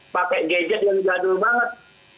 pakai gadget yang jadul banget